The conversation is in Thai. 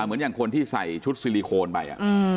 เหมือนอย่างคนที่ใส่ชุดซิลิโคนไป